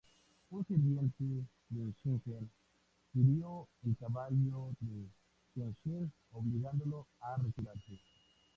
Un sirviente de Shingen hirió el caballo de Kenshin obligándolo a retirarse.